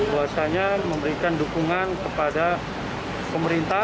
bahwasanya memberikan dukungan kepada pemerintah